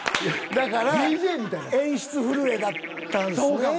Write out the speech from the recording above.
だから演出震えだったんすね。